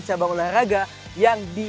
cabang olahraga yang di